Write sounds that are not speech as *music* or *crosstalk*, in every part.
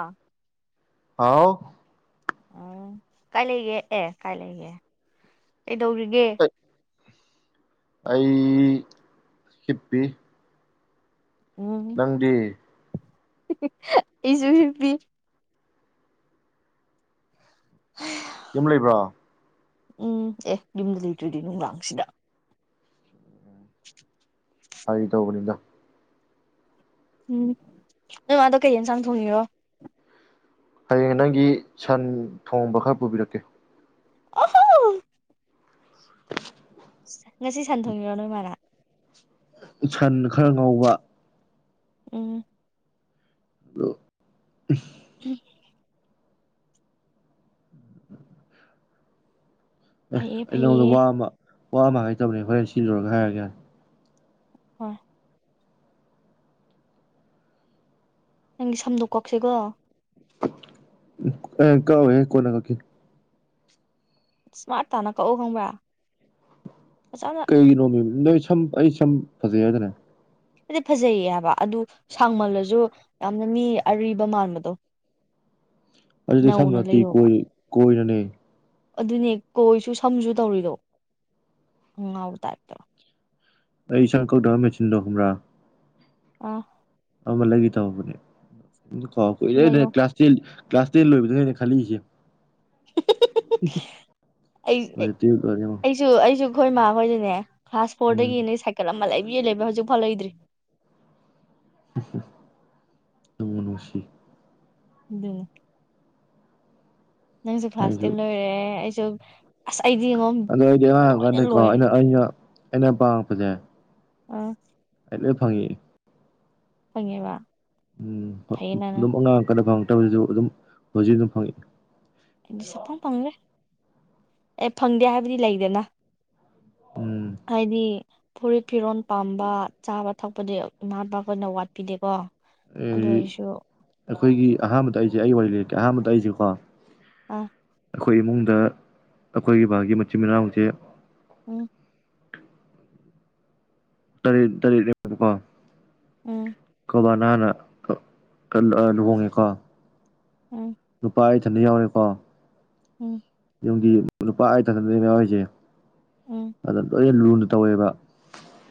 ꯑ *inaudible* ꯑꯥꯎ ꯎꯝ *unintelligible* *inaudible* ꯀꯥꯏ ꯂꯩꯒ ꯑꯦ ꯀꯥꯏ ꯂꯩꯒ ꯀꯩꯗꯧꯔꯤꯒꯦ ꯑꯩ ꯍꯤꯞꯄꯤ ꯎꯝ ꯅꯪꯗꯤ ꯑꯩꯁꯨ ꯍꯤꯞꯄꯤ ꯎ *unintelligible* ꯌꯨꯝ ꯂꯩꯕ꯭ꯔꯥ ꯎꯝ ꯑꯦ ꯌꯨꯝꯗ ꯂꯩꯇ꯭ꯔꯥꯗꯤ ꯅꯨꯡꯗꯥꯡꯁꯤꯗ ꯐꯥꯒꯤ ꯇꯧꯕꯅꯤꯗ ꯎꯝ ꯅꯪ ꯑꯗꯣ ꯀꯩ ꯌꯦꯟꯁꯥꯡ ꯊꯣꯡꯉꯔꯣ ꯍꯌꯦꯡ ꯅꯪꯒꯤ ꯁꯟ ꯊꯣꯡꯕ ꯈꯔ ꯄꯨꯕꯤꯔꯛꯀꯦ ꯑꯍꯥꯟ ꯉꯁꯤ ꯁꯟꯊꯣꯡꯉꯤꯔꯣ ꯅꯣꯏꯃꯥꯅ ꯁꯟ ꯈꯔ ꯉꯧꯕ ꯎꯝ ꯑꯗꯣ ꯎꯝ ꯐꯩꯌꯦ ꯏꯩꯅꯗ ꯐꯩꯌꯦ ꯋꯥ ꯑꯃꯥ ꯋꯥ ꯑꯃꯥ ꯍꯥꯏꯗꯣꯏ ꯂꯩ ꯁꯤ ꯂꯣꯏꯔꯒ ꯍꯥꯏꯔꯒꯦ ꯌꯥꯔꯦ ꯍꯣꯏ ꯅꯪꯒꯤ ꯁꯝꯗꯣꯛ ꯀꯣꯛꯁꯤꯒꯣ ꯑꯦ ꯀꯣ ꯑꯦ ꯀꯣꯅꯥ ꯀꯀꯦ ꯏꯁꯃꯥꯔꯠ ꯇꯥꯅ ꯀꯛꯎ ꯈꯪꯉꯕꯥ ꯀꯩꯒꯤꯅꯣꯡꯃꯤ ꯁꯝ ꯑꯩ ꯁꯝ ꯐꯖꯩ ꯍꯥꯏꯗꯥꯏꯅꯦ ꯍꯥꯏꯗꯤ ꯐꯖꯩꯌꯦ ꯍꯥꯏꯕ ꯑꯗꯨ ꯁꯥꯡꯃꯜꯂꯁꯨ ꯌꯥꯝꯅ ꯃꯤ ꯑꯔꯤꯕ ꯃꯥꯟꯕꯗꯣ ꯑꯗꯨꯗꯤ ꯁꯝꯅ ꯅꯧꯅ ꯅꯥꯠꯇꯤꯌꯦ ꯂꯩꯌꯣꯕ ꯀꯣꯏ ꯀꯣꯏꯅꯅꯦ ꯑꯗꯨꯅꯦ ꯀꯣꯏꯁꯨ ꯁꯝꯁꯨ ꯇꯧꯔꯤꯗꯣ ꯑꯉꯥꯎꯕ ꯇꯥꯏꯞꯇ ꯑꯩ ꯏꯁꯪ ꯀꯧꯗ ꯃꯦꯆꯤꯟꯗꯣ ꯈꯪꯕ꯭ꯔꯥ ꯑ ꯑꯃ ꯂꯩꯒꯦ ꯇꯧꯕꯅꯦ ꯀꯣ ꯀꯨꯏꯔꯦꯅꯦ ꯂꯩꯌꯣ ꯀ꯭ꯂꯥꯁ ꯇꯦꯟ ꯀ꯭ꯂꯥꯁ ꯇꯦꯟ ꯂꯣꯏꯕꯗꯅꯦ ꯑꯩꯅ ꯈꯜꯂꯛꯏꯁꯦ ꯑꯩ ꯇꯨꯌꯦꯜꯞ ꯂꯣꯏꯔꯦ ꯌꯦꯡꯉꯣ ꯑꯩꯁꯨ ꯑꯩꯁꯨ ꯈꯣꯏ ꯃꯥ ꯈꯣꯏꯗꯅꯦ ꯀ꯭ꯂꯥꯁ ꯎꯝ ꯐꯣꯔꯗꯒꯤ ꯅꯣꯏ ꯁꯥꯏꯀꯜ ꯑꯃ ꯂꯩꯕ ꯌꯦꯜꯂꯦꯕ ꯍꯧꯖꯤꯛ ꯐꯥꯎ ꯂꯩꯛꯏꯗ꯭ꯔꯤ ꯅꯨꯡꯕꯨ ꯅꯨꯡꯁꯤ ꯗꯨꯅꯤ ꯅꯪꯁꯦ ꯀ꯭ꯂꯥꯁ ꯑꯩꯁꯨ ꯇꯦꯟ ꯂꯣꯏꯔꯦ ꯑꯩ ꯆ *unintelligible* ꯑꯗꯣ ꯑꯩꯗꯤ ꯑꯉꯥꯡ ꯑꯣꯏꯔꯤ ꯀꯟꯗ ꯀꯣ ꯂꯣꯏꯔꯦ ꯑꯩꯅ ꯑꯩꯅ ꯄꯥꯃꯛꯄꯖ ꯑꯥ ꯂꯣꯏ ꯐꯪꯉꯤ ꯐꯪꯉꯦ ꯕꯥ ꯎꯝ ꯑꯗꯨꯝ ꯑꯉꯥꯡ ꯐꯪ ꯁꯨ ꯑꯗꯨꯝ ꯍꯧꯖꯤꯛ ꯑꯗꯨꯝ ꯐꯪꯉꯦ꯫ ꯑꯩꯗꯤ ꯁꯨꯡ ꯄꯥꯝ ꯄꯥꯝꯗꯦ ꯑꯦ ꯐꯪꯗꯦ ꯍꯥꯏꯕꯗꯤ ꯂꯩꯗꯅ--꫰ ꯎꯝ ꯍꯥꯏꯗꯤ ꯐꯨꯔꯤꯠ ꯐꯤꯔꯣꯜ ꯄꯥꯝꯕ ꯆꯥꯕ ꯊꯛꯄꯗꯤ ꯎꯅꯗꯕꯅꯥ ꯋꯥꯠꯄꯤꯗꯦꯀꯣ ꯑꯗꯨ ꯑꯣꯏꯔꯁꯨ ꯑꯩꯈꯣꯏꯒꯤ ꯑꯍꯥꯟꯕꯗ ꯑꯩꯁꯦ ꯑꯩ ꯋꯥꯔꯤ ꯂꯤ ꯑꯍꯥꯟꯕꯗ ꯑꯩꯖꯤꯀꯣ *unintelligible* ꯑꯩꯈꯣꯏ ꯏꯃꯨꯡꯗ ꯑꯩꯈꯣꯏꯒꯤ ꯕꯥꯒꯤ ꯃꯆꯤꯟ ꯃꯅꯥꯎꯁꯦ *unintelligible* ꯇꯔꯦꯠ ꯇꯔꯦꯠꯅꯦꯕꯀꯣ *unintelligible* ꯕꯕꯥꯅ ꯍꯥꯟꯅ ꯂꯨꯍꯣꯡꯉꯦꯀꯣ *unintelligible* ꯅꯨꯄꯥ ꯑꯩ ꯏꯊꯟꯗ ꯌꯥꯎꯔꯦꯀꯣ *unintelligible* ꯅꯨꯄꯥ ꯑꯩ ꯏꯊꯟꯗꯅꯤ ꯌꯥꯎꯔꯤꯖꯤ ꯎꯝ *unintelligible* *unintelligible* ꯑꯗꯨ ꯇꯧꯋꯦꯕ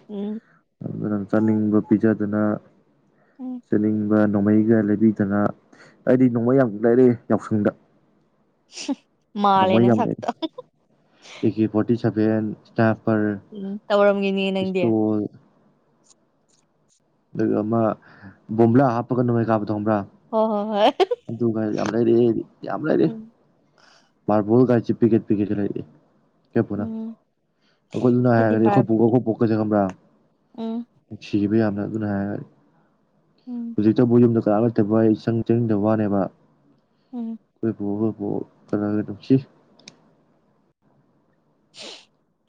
ꯎꯝ ꯑꯗꯨꯅ ꯆꯥꯅꯤꯡꯕ ꯄꯤꯖꯗꯅ ꯎꯝ *unintelligible* ꯅꯣꯡꯃꯩꯒ ꯂꯩꯕꯤꯗꯅ ꯑꯩꯗꯤ ꯅꯣꯡꯃꯩ ꯌꯥꯝ ꯂꯩꯔꯛꯏ ꯌꯥꯎꯁꯪꯗ *unintelligible* ꯃꯥꯜꯂꯦ ꯅꯣꯡꯃꯩ ꯌꯥꯝ ꯅꯥꯁꯛꯇꯣ ꯁꯕꯦꯟ *unintelligible* ꯎꯝ ꯇꯧꯔꯝꯒꯤꯅꯤ ꯅꯪꯗꯤ ꯑꯗꯨꯒ ꯑꯃ ꯕꯣꯝꯕꯨꯂꯥ ꯍꯞꯄꯒꯥ ꯅꯣꯡꯃꯩ ꯀꯞꯄ *unintelligible* ꯑꯗꯨꯒ ꯌꯥꯝ ꯂꯩꯔꯛꯏ ꯌꯥꯝ ꯂꯩꯔꯛꯏ ꯎꯝ *unintelligible* *unintelligible* ꯑꯩꯈꯣꯏ ꯄꯨꯅ ꯎꯝ ꯑꯩꯈꯣꯏ ꯑꯗꯨꯅ ꯑꯩꯈꯣꯏꯗꯤ ꯍꯥꯏꯔꯗꯤ ꯑꯩꯈꯣꯏ ꯕꯥꯔ ꯄꯨꯒꯥ ꯑꯩꯈꯣꯏ ꯕꯣꯛꯀꯁꯦ ꯈꯪꯕ꯭ꯔꯥ ꯎꯝ ꯅꯨꯡꯁꯤꯌꯦꯕꯥ ꯌꯥꯝ ꯑꯗꯨꯅ ꯍꯥꯏ ꯎꯝ ꯍꯧꯖꯤꯛꯇꯕꯨ ꯌꯨꯝꯗ ꯀꯅꯥꯝ ꯂꯩꯇꯦꯕ ꯑꯩ ꯆꯪ ꯆꯪꯗꯕ ꯋꯥꯅꯦꯕ ꯎꯝ ꯑꯈꯣꯏ ꯄꯨꯒ *unintelligible* ꯐꯅꯗꯨꯝ ꯅꯨꯡꯁꯤ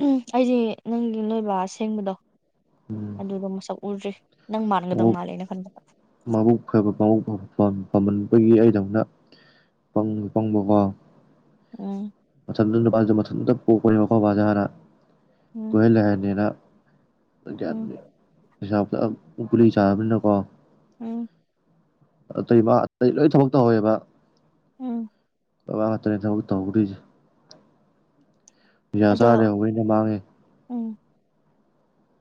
ꯎꯝ ꯑꯩꯖꯤ ꯅꯪꯒꯤ ꯅꯣꯏꯕꯥ ꯑꯁꯦꯡꯕꯗꯣ ꯑꯗꯨꯗꯣ ꯃꯁꯛ ꯎꯗ꯭ꯔꯤ ꯅꯪ ꯃꯥꯟꯒꯗꯧ ꯃꯥꯜꯂꯦ ꯑꯩꯅ ꯈꯟꯕꯗ *unintelligible* ꯃꯝꯈ꯭ꯔꯕꯕꯧ ꯐ ꯐꯃꯟꯕꯒꯤ ꯑꯩꯗꯧꯅ ꯄꯪ ꯄꯪꯕꯀꯣ ꯎꯝ ꯃꯊꯟ ꯅꯨꯄꯥꯁꯨ ꯃꯊꯟꯗ ꯄꯣꯛꯄꯅꯤꯅ *unintelligible* ꯎꯝ ꯀꯣꯏꯍꯟ ꯂꯥꯏꯍꯟꯅꯤꯅ *unintelligible* ꯎꯝ ꯄꯩꯥ ꯐꯝ ꯎꯛ ꯒꯨꯂꯤ ꯆꯥꯕꯅꯤꯅꯀꯣ ꯎꯝ ꯑꯇꯩ ꯃꯥ ꯑꯇꯩ ꯂꯣꯏ ꯊꯕꯛ ꯇꯧꯍꯧꯋꯦꯕ ꯎꯝ ꯕꯕꯥ ꯈꯛꯇꯅꯦ ꯊꯕꯛ ꯇꯧꯍꯧꯗ꯭ꯔꯤꯁꯦ ꯅꯤꯁꯥ ꯑꯗꯣ ꯆꯥꯔꯥ ꯂꯩꯍꯧꯕ ꯅꯤꯅ ꯃꯥꯡꯉꯦ ꯎꯝ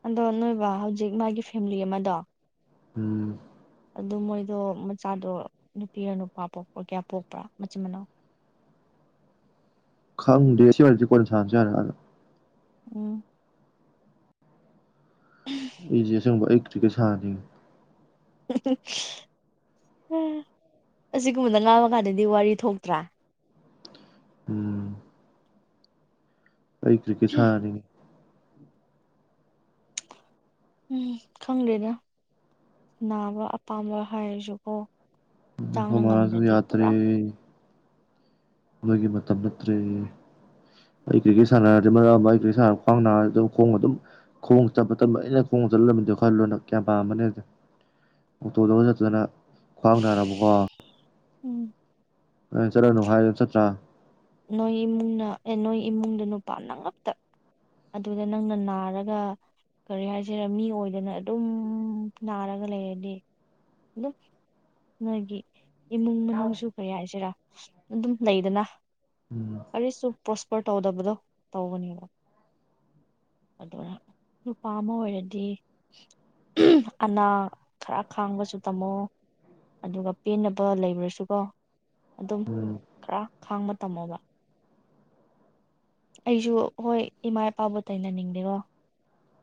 ꯑꯗꯣ ꯅꯣꯏꯕꯥ ꯍꯧꯖꯤꯛ ꯃꯥꯒꯤ ꯐꯦꯝꯂꯤ ꯑꯃꯗꯣ ꯎꯝ ꯑꯗꯨ ꯃꯣꯏꯗꯣ ꯃꯆꯥꯗꯣ ꯅꯨꯄꯤꯔ ꯅꯨꯄꯥ ꯄꯣꯛꯄ ꯀꯌꯥ ꯄꯣꯛꯄ꯭ꯔꯥ ꯃꯆꯤꯟ ꯃꯅꯥꯎ ꯈꯪꯗꯦ ꯁꯤ ꯋꯔꯤꯁꯦ ꯀꯣꯟꯅ ꯁꯥꯔꯥꯁꯦ ꯌꯥꯔꯦ ꯑ ꯎꯝ ꯀ꯭ꯔꯤꯀꯦꯠꯁꯥꯟꯅꯅꯤꯡ ꯑꯁꯤꯒꯨꯝꯕꯗ ꯉꯥꯡꯉ ꯀꯥꯟꯗꯗꯤ ꯋꯥꯔꯤ ꯊꯣꯛꯇ꯭ꯔꯥ ꯎꯝ ꯑꯩꯩ ꯀ꯭ꯔꯤꯀꯦꯠ ꯁꯅꯥꯅꯤꯡꯉꯦ ꯎꯝ ꯈꯪꯗ꯭ꯔꯦꯗ ꯅꯥꯕ ꯑꯄꯥꯝꯕ ꯍꯥꯏꯔꯁꯨꯀꯣ ꯍꯛꯆꯥꯡꯅ ꯈꯣꯃꯥ ꯁꯨ ꯉꯝꯗ꯭ꯔꯗꯤ ꯌꯥꯗ꯭ꯔꯦ ꯄꯨꯔꯥ ꯃꯣꯏꯒꯤ ꯃꯇꯝ ꯅꯠꯇ꯭ꯔꯦ ꯑꯩ ꯀ꯭ꯔꯤꯀꯦꯠ ꯁꯥꯟꯅꯔꯗꯤ ꯃꯔꯛ ꯑꯃ ꯑꯩ ꯀ꯭ꯔꯤꯀꯦꯠ ꯁꯥꯟꯅ ꯈ꯭ꯋꯥꯡ ꯅꯥꯔꯗꯨ ꯈꯣꯡꯅ ꯑꯗꯨꯝ ꯈꯣꯡꯅ ꯆꯠꯄ ꯇꯝꯕ ꯑꯩꯅ ꯈꯣꯡ ꯆꯠꯂꯝꯃꯤꯗꯣ ꯈꯜꯂꯣꯅ ꯀꯌꯥꯝ ꯄꯥꯝꯃꯅꯤ ꯑꯣꯇꯣꯗꯒ ꯆꯠꯇꯅ ꯈ꯭ꯋꯥꯡ ꯅꯥꯔꯕꯀꯣ ꯎꯝ *inaudible* ꯑꯩ ꯆꯠꯂꯅꯨ ꯍꯥꯏꯔ ꯆꯠꯇ꯭ꯔꯥ ꯅꯣꯏ ꯏꯃꯨꯡꯅ ꯑꯦ ꯅꯣꯏ ꯏꯃꯨꯡꯗ ꯅꯨꯄꯥ ꯅꯉꯛꯇ ꯑꯗꯨꯗ ꯅꯪꯅ ꯅꯥꯔꯒ ꯀꯔꯤ ꯍꯥꯏꯁꯤꯔ ꯃꯤ ꯑꯣꯏꯗꯅ ꯑꯗꯨꯝ ꯅꯥꯔꯒ ꯂꯩꯔꯗꯤ ꯗꯨꯝ ꯅꯣꯏꯒꯤ ꯏꯃꯨꯡ ꯃꯅꯨꯡꯁꯨ ꯀꯩꯪ ꯍꯥꯏꯁꯤꯔꯥ ꯑꯗꯨꯝ ꯂꯩꯗꯅ ꯎꯝ ꯑꯔꯤꯁꯨ ꯄꯣꯁ ꯄꯔ ꯇꯧꯗꯕꯗꯣ ꯇꯧꯕꯅꯦꯕ ꯑꯗꯨꯅ ꯅꯨꯄꯥ ꯑꯃ ꯑꯣꯏꯔꯗꯤ ꯑꯅꯥ ꯈꯔ ꯈꯥꯡꯕꯁꯨ ꯇꯝꯃꯣ ꯑꯗꯨꯒ ꯄꯦꯟꯅꯕ ꯂꯩꯕ꯭ꯔꯁꯨꯀꯣ ꯑꯗꯨꯝ ꯎꯝ ꯈꯔ ꯈꯥꯡꯕ ꯇꯝꯃꯣꯕ ꯑꯩꯁꯨ ꯍꯣꯏ ꯏꯃꯥ ꯏꯄꯥꯕꯨ ꯇꯥꯏꯅꯅꯤꯡꯗꯦꯒꯣ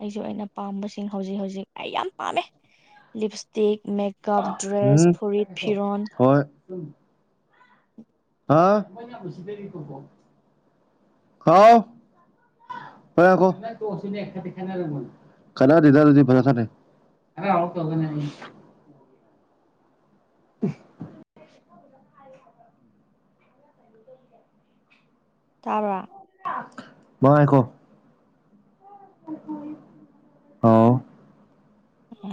ꯑꯩꯁꯨ ꯑꯩꯅ ꯄꯥꯝꯕꯁꯤꯡ ꯍꯧꯖꯤꯛ ꯍꯧꯖꯤꯛ ꯑꯩ ꯌꯥꯝ ꯄꯥꯝꯃꯦ ꯂꯤꯞꯁꯇꯤꯛ ꯃꯦꯛ ꯀꯥꯞ ꯗ꯭ꯔꯦꯁ ꯐꯨꯔꯤꯠ ꯐꯤꯔꯣꯟ ꯎꯝ *unintelligible* ꯑ ꯍꯥꯎ ꯍꯣꯌ ꯉꯏꯈꯣ ꯀꯅꯥꯗꯦꯗ *unintelligible* *unintelligible* *inaudible* *inaudible* ꯇꯥꯕꯔꯥ ꯑꯩꯈꯣ *unintelligible* ꯑꯣ ꯑ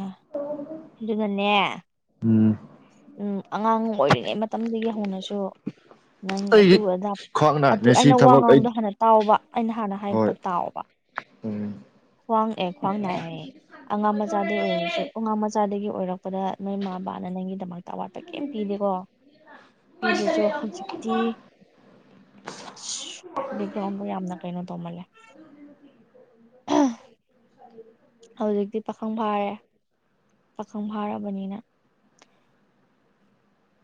ꯑꯗꯨꯅꯅꯦ ꯎꯝ ꯎꯝ ꯑꯉꯥꯡ ꯑꯣꯏꯔꯤꯉꯩ ꯃꯇꯝꯗꯒꯤ ꯍꯧꯅꯁꯨ ꯅꯪ ꯑꯗꯨ ꯑꯩꯒꯤ ꯑꯗꯥ ꯈ꯭ꯋꯥꯡ ꯑꯗꯨ ꯅꯥꯏꯅꯦ ꯁꯤ ꯑꯩꯅ ꯋꯥ ꯊꯕꯛ ꯑꯩ ꯉꯥꯡꯕꯗꯣ ꯍꯥꯟꯅ ꯇꯥꯎꯕ ꯑꯩꯅ ꯍꯥꯟꯅ ꯍꯣꯏ ꯍꯥꯏꯔꯛꯄ ꯇꯥꯎꯕ ꯎꯝ ꯈ꯭ꯋꯥꯡꯑꯦ ꯈ꯭ꯋꯥꯡ ꯅꯥꯏꯑꯦ ꯑꯉꯥꯡ ꯃꯆꯥꯗꯒꯤ ꯑꯣꯏꯔꯁꯨ ꯑꯉꯥꯡ ꯃꯆꯥꯗꯒꯤ ꯑꯣꯏꯔꯛꯄꯗ ꯅꯣꯏꯃꯥꯕꯥꯅ ꯅꯪꯒꯤ ꯑꯋꯥꯠꯄ ꯀꯩꯝ ꯄꯤꯗꯦꯀꯣ ꯄꯤꯗ꯭ꯔꯁꯨ ꯍꯧꯖꯤꯛꯇꯤ ꯑꯁ ꯕꯦꯛꯒ꯭ꯔꯥꯎꯟꯕꯨ ꯌꯥꯝꯅ ꯀꯩꯅꯣ ꯇꯧꯃꯜꯂꯦ ꯑ ꯎꯝ *inaudible* ꯄꯥꯈꯪ ꯐꯥꯔꯦ ꯄꯥꯈꯪ ꯐꯥꯔꯕꯅꯤꯅ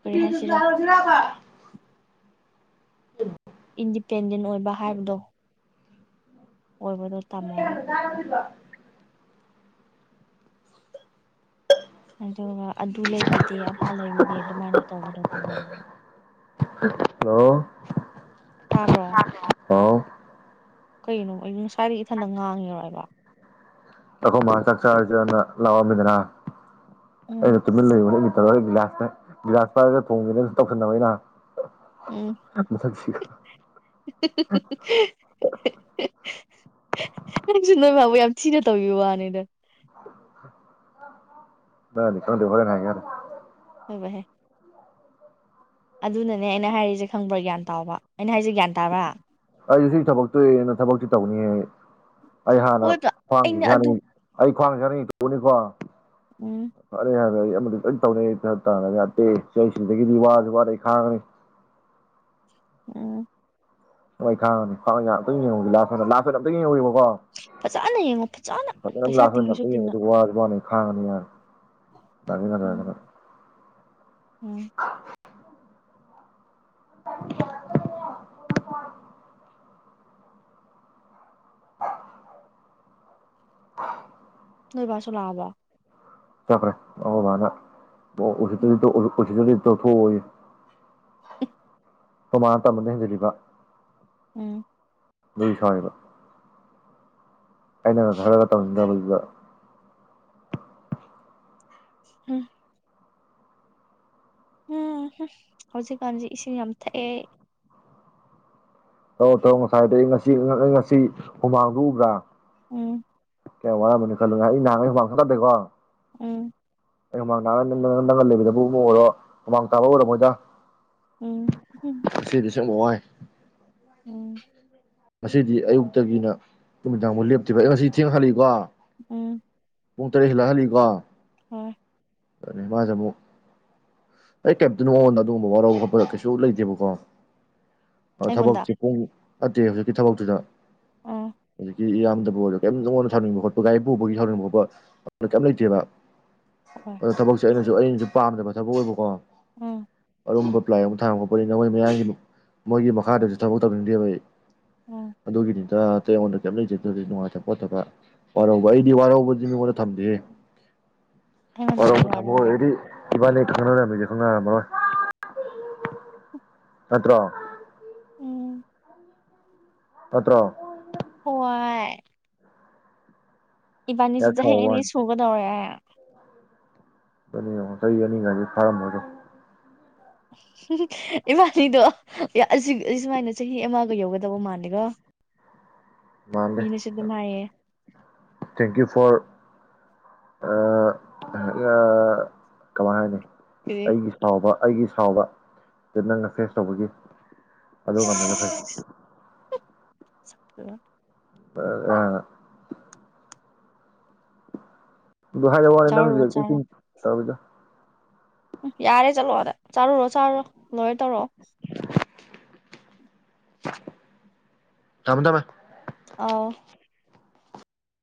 ꯀꯔꯤ ꯍꯥꯏꯁꯤꯔꯥ ꯎꯝ *inaudible* ꯏꯟꯗꯤꯄꯦꯟꯗꯦꯟ ꯑꯣꯏꯕ ꯍꯥꯏꯕꯗꯣ ꯑꯣꯏꯕꯗꯣ ꯑꯗꯨ ꯇꯝꯃꯣꯕ ꯌꯥꯅ *unintelligible* ꯑꯗꯨꯒ ꯑꯗꯨ ꯂꯩꯕꯤꯗꯦ ꯑꯗꯥ ꯂꯩꯕꯤꯗꯦ ꯑꯗꯨꯃꯥꯏꯅ ꯇꯧꯕꯗꯣ ꯇꯧꯒꯅꯣꯕꯥ ꯍꯂꯣ ꯇꯥꯕꯔꯣ ꯍꯥꯎ ꯀꯩꯅꯣ ꯀꯥꯔꯤ ꯏꯊꯟꯗ ꯉꯥꯡꯉꯤꯔꯣꯏꯕ ꯑꯩꯈꯣꯏ ꯃꯥ ꯆꯥꯛꯆꯥꯔꯥꯖꯤꯅ ꯂꯥꯎꯑꯝꯃꯤꯗꯅ ꯎꯝ ꯑꯩꯩꯅ ꯇꯨꯃꯤꯟ ꯂꯩꯑꯣ ꯒꯤꯕꯤꯂꯥꯁ ꯒꯤꯕꯤꯂꯥꯁ ꯄꯥꯏꯔ ꯊꯣꯡꯁꯤꯦꯅ ꯇꯧꯁꯤꯟꯅꯕꯅꯤꯩꯅ *unintelligible* ꯎꯝ *unintelligible* ꯅꯪꯁꯨ ꯅꯣꯏ ꯐꯕꯨ ꯌꯥꯝ ꯊꯤꯅ ꯇꯧꯕꯤꯕ ꯋꯥꯅꯤꯗ ꯃꯟꯗꯤ ꯈꯪꯗꯔ꯭ꯤꯕ ꯍꯣꯔꯦꯟ ꯍꯥꯏꯒꯦ *unintelligible* *unintelligible* ꯍꯣꯏꯕꯥ ꯍꯦ ꯑꯗꯨꯅꯅꯦ ꯑꯩꯅ ꯍꯥꯏꯔꯤꯁꯦ ꯈꯪꯕ꯭ꯔꯥ ꯒ꯭ꯌꯥꯟ ꯇꯥꯕ ꯑꯩꯅ ꯍꯥꯏꯁꯦ ꯒ꯭ꯌꯥꯟ ꯇꯥꯕ꯭ꯔꯥ ꯑꯩ ꯁꯤ ꯊꯕꯛꯇꯨꯅ ꯊꯕꯛꯇꯤ ꯇꯧꯅꯤꯉꯦ ꯑꯩ ꯍꯥꯟꯅ ꯍꯣꯏꯕ ꯑꯩꯅ ꯐꯥꯡꯈꯤꯁꯤ ꯍꯥꯟꯅ ꯑꯗꯨ *unintelligible* *unintelligible* ꯎꯝ *unintelligible* ꯐꯔꯦ ꯌꯥ *unintelligible* ꯑꯩ ꯑꯃꯗꯤ ꯁꯣꯏ ꯇꯧꯒꯅꯤ ꯄꯩꯁꯥ ꯇꯥꯂꯒ *unintelligible* ꯋꯥꯁꯨ ꯋꯥꯩꯅ ꯑꯩ ꯈꯥꯡꯉꯒꯅꯤ *unintelligible* *inaudible* ꯎꯝ *unintelligible* *unintelligible* *inaudible* ꯐꯖꯅ ꯌꯦꯡꯉꯣ ꯐꯖꯅ ꯄꯩꯁꯥ ꯇꯤꯡꯉꯁꯨ ꯇꯤꯡꯅ ꯍꯥꯡꯉꯗꯤ ꯌꯥꯔꯦ ꯎꯝ ꯒ *inaudible* *unintelligible* ꯎꯝ *inaudible* *inaudible* *inaudible* ꯅꯣꯏ ꯕꯥꯁꯨ ꯂꯥꯛꯑꯕ ꯆꯠꯈ꯭ꯔꯦ ꯑꯩꯈꯣꯐ ꯑꯣ ꯎꯆꯗꯤ ꯎꯝ ꯎꯆꯗꯤ *inaudible* *unintelligible* *inaudible* ꯇꯧꯊꯣꯛ ꯑꯣꯏꯌꯦ ꯏꯪ ꯑꯈꯣꯏꯃꯥꯅ ꯇꯝꯕꯗ ꯍꯦꯟꯖꯜꯂꯤꯕ ꯎꯝ ꯑꯗꯨꯏ ꯁꯥꯎꯔꯤꯕ ꯑꯩꯅꯒ ꯈꯔꯒ ꯇꯧꯅꯤꯡꯗꯕꯖꯤꯗ ꯍꯨꯝ ꯎꯝꯍꯨꯝ ꯍꯧꯖꯤꯛꯀꯥꯟꯖꯦ ꯏꯁꯤꯡ ꯌꯥꯝ ꯊꯛꯑꯦ ꯊꯥꯛ ꯑꯣ ꯊꯥꯛ ꯑꯣ ꯉꯁꯥꯏꯗꯩꯩ ꯉꯁꯤ ꯑꯩ ꯉꯁꯤ ꯉꯁꯤ ꯍꯨꯃꯥꯡꯗꯨ ꯎꯕ꯭ꯔꯥ ꯎꯝ ꯀꯌꯥꯝ ꯋꯥꯔꯝꯃꯅꯤ ꯈꯜꯂꯨ ꯑꯩ ꯅꯍꯉꯩꯁꯨꯃꯥꯡ ꯈ ꯇꯗꯦꯀꯣ ꯎꯝ ꯑꯩ ꯍꯃꯥꯡ ꯇꯥꯛ ꯅ ꯅꯪꯒꯜ ꯂꯩꯕꯗꯕꯨ ꯑꯃꯨꯛ ꯑꯣꯏꯔꯣ ꯍꯨꯃꯥꯡ ꯇꯥꯕ ꯑꯣꯏꯔꯝꯃꯣꯏꯗ ꯎꯝ ꯎꯝꯍꯨꯝ ꯉꯁꯤꯗꯤ ꯋꯥꯏ ꯎꯝ ꯉꯁꯤꯗꯤ ꯑꯌꯨꯛꯇꯒꯤꯅ ꯅꯨꯃꯤꯗꯥꯡꯕꯣꯛ ꯂꯦꯞꯇ꯭ꯕ ꯑꯩ ꯉꯁꯤ ꯊꯦꯡ ꯍꯜꯂꯛꯏꯀꯣ ꯎꯝ ꯄꯨꯡ ꯇꯔꯦꯠ ꯍꯦꯜꯂ ꯍꯜꯂꯛꯏꯀꯣ ꯍꯣꯏ ꯑꯗꯨ ꯃꯥꯖꯦ ꯑꯃꯨꯛ ꯑꯩ ꯀꯩꯝꯇ ꯃꯉꯣꯟꯗ ꯑꯗꯨꯒꯨꯝꯕ ꯋꯥꯔ ꯈꯣꯠꯄ ꯀꯩꯁꯨ ꯂꯩꯇꯦꯕꯀꯣ ꯑꯥ ꯊꯕꯛ ꯑꯩꯉꯣꯟꯗ ꯆꯦ ꯄꯨꯡ *inaudible* ꯎꯝ *unintelligible* ꯎ ꯏꯌꯥꯝꯗꯕꯨ ꯑꯣꯏꯔꯣ ꯀꯩꯝ ꯅꯉꯣꯟꯗ ꯁꯥꯎꯅꯤꯡꯕ ꯈꯣꯠꯄ ꯒꯥꯔꯤ ꯄꯨꯕꯒꯤ ꯁꯥꯎꯅꯤꯡꯕ ꯈꯣꯠꯄ ꯀꯩꯝ ꯂꯩꯇꯦꯕ ꯍꯣꯏ ꯑꯗꯨ ꯊꯕꯛ ꯆꯠꯅꯩꯅ ꯑꯗꯨ ꯑꯩꯅꯁꯨ ꯄꯥꯝꯗꯕ ꯊꯕꯛ ꯑꯣꯏꯕꯀꯣ ꯎꯝ ꯑꯔꯨꯝꯕ ꯄ꯭ꯂꯥꯏ ꯑꯃ ꯊꯥꯡꯕ ꯈꯣꯄꯅꯤ ꯅ ꯃꯣꯏ ꯃꯌꯥꯡꯒꯤ ꯃꯣꯏꯒꯤ ꯃꯈꯥꯗꯁꯨ ꯊꯕꯛ ꯇꯧꯅꯤꯡꯗꯦꯕ ꯑꯩ ꯎꯝ ꯑꯗꯨꯒꯤꯅꯤꯗ ꯑ ꯑꯩꯉꯣꯟꯗ ꯀꯩꯝꯇ ꯂꯩꯖꯗꯦ ꯅꯨꯡꯉꯥꯏꯇꯕ ꯈꯣꯠꯇꯕ ꯋꯥꯔꯧꯕ ꯑꯩꯗꯤ ꯋꯥꯔꯧꯕꯖꯤ ꯃꯤꯉꯣꯟꯗ ꯊꯝꯗꯦꯍꯦ ꯑꯩꯉꯣꯟꯗꯗꯤ ꯋꯔꯧꯕ ꯊꯃꯣꯏ ꯋꯥꯔꯕ꯭ꯔꯥ ꯑꯣꯏꯔꯗꯤ ꯏꯕꯥꯅꯤ ꯈꯪꯅꯔꯝꯃꯤꯖꯦ ꯈꯪꯅꯔꯝꯃꯔꯣꯏ ꯅꯠꯇ꯭ꯔꯣ ꯎꯝ ꯄꯠꯇ꯭ꯔ *unintelligible* ꯄꯥꯏ *unintelligible* ꯏꯕꯥꯅꯤꯁꯦ ꯍꯦꯛ ꯆꯍꯤ ꯁꯥꯎꯕ ꯑꯅꯤ ꯋꯥꯅꯤ ꯁꯨꯒꯗꯧꯔꯦ ꯅꯤꯣ *unintelligible* ꯆꯍꯤ ꯑꯅꯤꯒꯥꯏꯁꯤꯦ ꯐꯥꯔꯝꯃꯣꯗꯣ ꯏꯕꯥꯅꯤꯗꯣ ꯑꯩ ꯁꯨꯃꯥꯏꯅ ꯆꯍꯤ ꯑꯃꯒ ꯌꯧꯒꯗꯕ ꯃꯥꯜꯂꯦꯀꯣ *unintelligible* ꯃꯥꯥꯟꯗꯦ ꯃꯤꯅꯁꯨ ꯑꯗꯨꯝ ꯍꯥꯏꯌꯦ ꯊꯦꯡꯀꯤꯌꯨ ꯐꯣꯔ ꯀꯃꯥꯏ ꯍꯥꯏꯅꯤ ꯑꯗꯨꯗꯤ ꯑꯩꯒꯤ ꯆꯥꯎꯥꯎꯕ ꯑꯩꯒꯤ ꯁꯥꯎꯕ ꯑꯗꯨ ꯅꯪꯅ ꯐꯦꯁ ꯇꯧꯕꯒꯤ *inaudible* *unintelligible* ꯐꯔꯦ ꯁꯛ ꯇꯨꯒꯥ ꯑ ꯑ ꯑꯗꯨ ꯍꯥꯏꯔ ꯋꯥꯅꯦ ꯅꯪ ꯆꯥꯎꯔꯨꯔꯣ ꯆꯥꯔꯣ ꯍꯧ ꯇꯧꯔꯤꯗꯣ ꯌꯥꯔꯦ ꯆꯠꯂꯣ ꯑꯗ ꯆꯥꯔꯨꯔꯣ ꯆꯥꯔꯨꯔꯣ ꯂꯣꯏꯔꯦ ꯇꯧꯔꯛꯑꯣ ꯊꯝꯃꯦ ꯊꯝꯃꯦ ꯑꯥꯎ